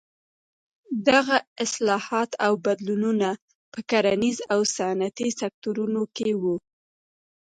دغه اصلاحات او بدلونونه په کرنیز او صنعتي سکتورونو کې وو.